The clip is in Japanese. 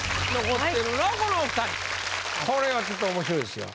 これはちょっと面白いですよ。